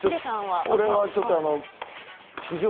俺はちょっと九条